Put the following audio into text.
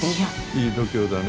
いい度胸だね。